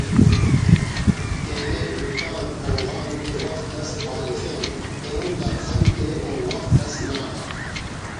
تینے پِٹّان ہوغان کہ وخت اس پالفین ایہن دا خن تے و وخت اس نا